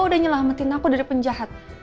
udah nyelamatin aku dari penjahat